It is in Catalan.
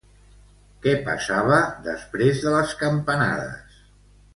Què passava, després de les campanades?